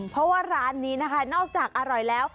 เพราะว่าร้านนี้นะคะนอกจากอร่อยแล้ว